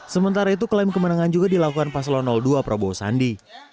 sementara itu klaim kemenangan juga dilakukan paslon dua prabowo sandi